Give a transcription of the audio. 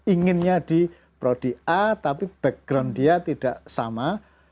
inginnya di prodi a tapi background dia tidak sama